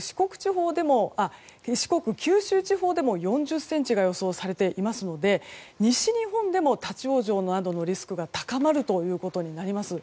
四国・九州地方でも４０ｃｍが予想されていますので西日本でも立ち往生などのリスクが高まることになります。